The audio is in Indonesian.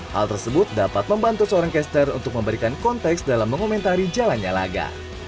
hal tersebut dapat membantu seorang caster untuk memberikan konteks dalam mengomentari jalannya laga